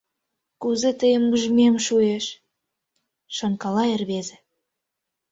Кузе тыйым ужмем шуэш», — шонкала рвезе.